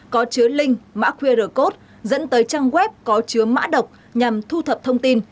có chứa link mã qr code dẫn tới trang web có chứa mã độc nhằm thu thập thông tin